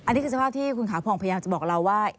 อันนี้คือสภาพที่คุณขาผ่องพยายามจะบอกเราว่า